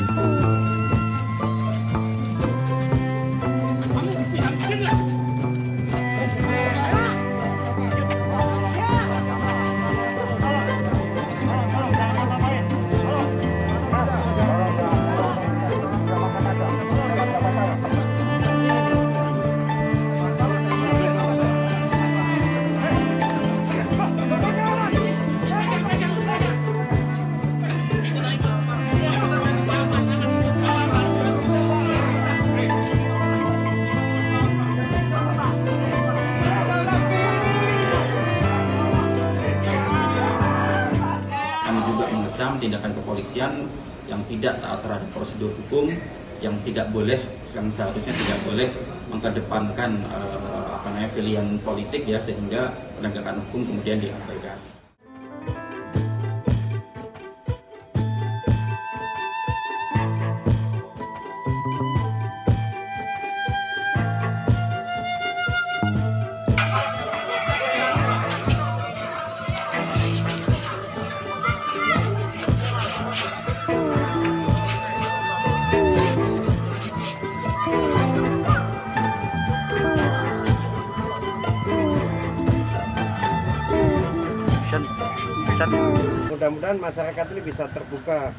jangan lupa like share dan subscribe ya